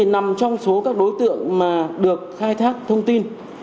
nằm trong số các đối tượng mà được khai thác thông tin